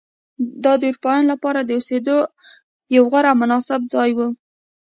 دا د اروپایانو لپاره د اوسېدو یو غوره او مناسب ځای و.